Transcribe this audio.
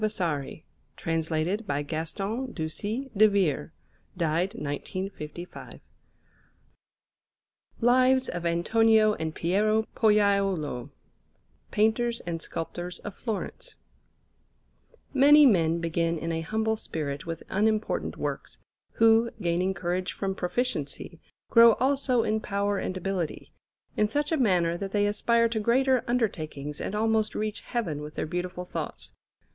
See note on p. 57, Vol. I. ANTONIO AND PIERO POLLAIUOLO LIVES OF ANTONIO AND PIERO POLLAIUOLO PAINTERS AND SCULPTORS OF FLORENCE Many men begin in a humble spirit with unimportant works, who, gaining courage from proficiency, grow also in power and ability, in such a manner that they aspire to greater undertakings and almost reach Heaven with their beautiful thoughts.